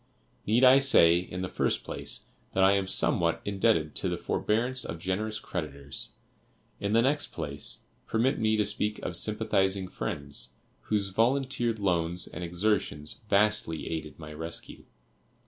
Need I say, in the first place, that I am somewhat indebted to the forbearance of generous creditors. In the next place, permit me to speak of sympathizing friends, whose volunteered loans and exertions vastly aided my rescue.